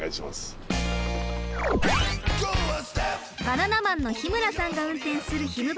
バナナマンの日村さんが運転するひむ